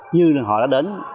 như họ đã đến